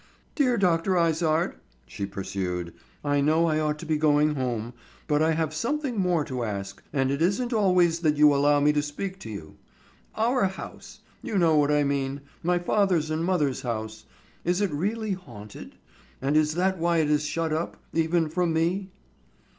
"Dear Dr. Izard," she pursued, "I know I ought to be going home, but I have something more to ask, and it isn't always that you allow me to speak to you. Our house—you know what I mean, my father's and mother's house,—is it really haunted, and is that why it is shut up, even from me?"